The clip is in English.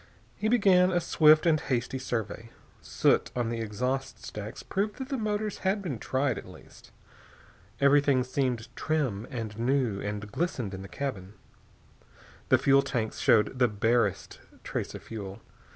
He began a swift and hasty survey. Soot on the exhaust stacks proved that the motors had been tried, at least. Everything seemed trim and new and glistening in the cabin. The fuel tanks showed the barest trace of fuel.